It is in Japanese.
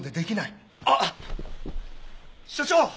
あっ署長！